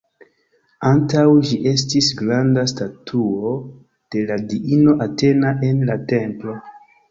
Antaŭ ĝi estis granda statuo de la diino Atena en la templo.